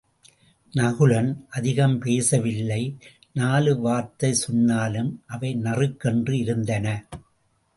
நகுலன் அதிகம் பேசவில்லை நாலு வார்த்தை சொன்னாலும் அவை நறுக்கென்று இருந்தன.